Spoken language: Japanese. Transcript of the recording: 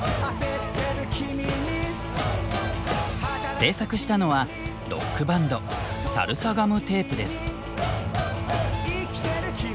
制作したのはロックバンドサルサガムテープです。